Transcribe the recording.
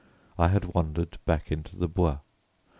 I had wandered back into the Bois.